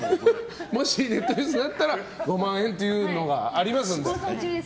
もしネットニュースになったら５万円っていうのがありますんで。